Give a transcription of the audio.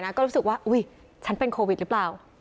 นะก็รู้สึกว่าอุ๊ยฉันเป็นโควิดลิบล่าว